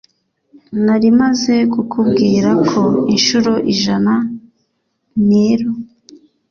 nari maze kukubwira ko inshuro ijana. (nero